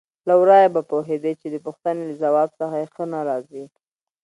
له ورايه به پوهېدې چې د پوښتنې له ځواب څخه یې ښه نه راځي.